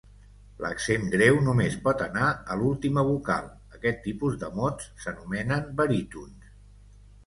L'accent greu només pot anar a l'última vocal, aquest tipus de mots s'anomenen barítons.